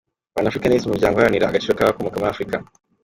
Pan Africanism ni umuryango uharanira agaciro k’abakomoka muri Afurika.